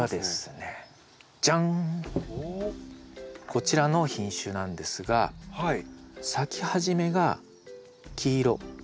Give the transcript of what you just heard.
こちらの品種なんですが咲き始めが黄色。